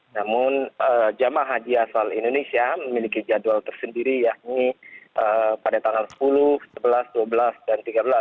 namun jamaah haji asal indonesia memiliki jadwal tersendiri yakni pada tanggal sepuluh sebelas dua belas dan tiga belas